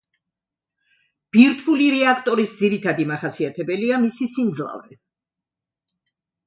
ბირთვული რეაქტორის ძირითად მახასიათებელია მისი სიმძლავრე.